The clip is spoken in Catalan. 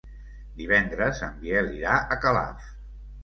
Divendres en Biel irà a Calaf.